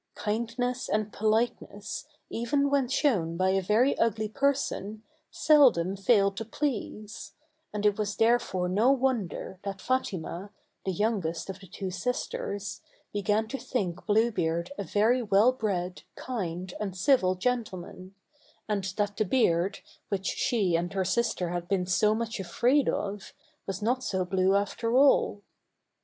Kindness and politeness, even when shown by a very ugly person, seldom fail to please ; and it was therefore no wonder that Fatima, the youngest of the two sisters, began to tnink Blue Beard a very well bred, kind, and civil gentleman, and that the beard, which she and her sister had been so much afraid of, was not so blue after all.